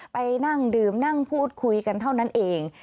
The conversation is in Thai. ไปนั่งดื่มนั่งพูดคุยกันเท่านั้นเอง